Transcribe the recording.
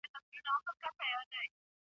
څوک به دي ستايي په چا به ویاړې؟ !.